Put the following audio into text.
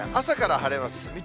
朝から晴れます。